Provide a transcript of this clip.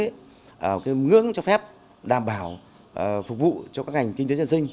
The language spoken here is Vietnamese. hướng cho phép đảm bảo phục vụ cho các ngành kinh tế dân sinh